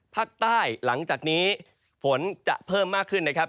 ภาคใต้หลังจากนี้ฝนจะเพิ่มมากขึ้นนะครับ